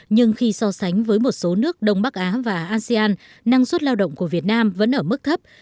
nhưng khi so sánh với một số nước đông bắc á và asean năng suất lao động của việt nam vẫn ở mức thấp